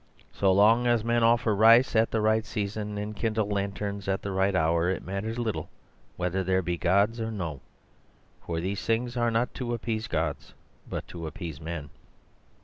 So long as men offer rice at the right season, and kindle lanterns at the right hour, it matters little whether there be gods or no. For these things are not to appease gods, but to appease men.